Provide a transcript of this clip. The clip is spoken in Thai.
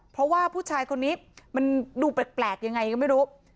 เพราะว่าผู้ชายคนนี้มันดูแปลกยังไงก็ไม่รู้